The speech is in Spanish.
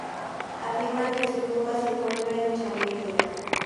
Afirman que su tumba se encuentra en Cachemira.